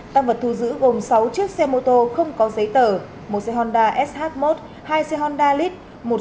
tăng vật thu giữ gồm sáu chiếc xe mô tô không có giấy tờ một xe honda sh một hai xe honda lit